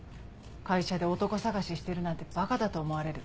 会社で男探ししてるなんてばかだと思われる。